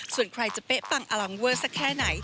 ส่วนใครจะเป๊ะปังอลังเวอร์สักแค่ไหน